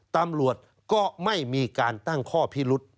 ตำรวจก็ไม่มีการตั้งข้อพิรุษ